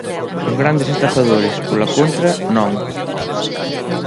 Os grandes estafadores, pola contra, non.